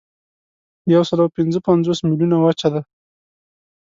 یوسلاوپینځهپنځوس میلیونه یې وچه ده.